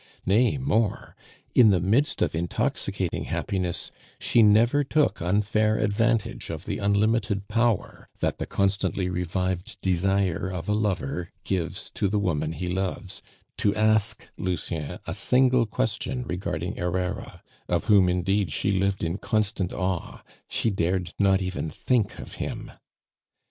Nay, more! In the midst of intoxicating happiness she never took unfair advantage of the unlimited power that the constantly revived desire of a lover gives to the woman he loves to ask Lucien a single question regarding Herrera, of whom indeed she lived in constant awe; she dared not even think of him.